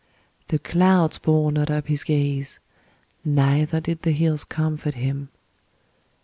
The clouds bore not up his gaze, neither did the hills comfort him.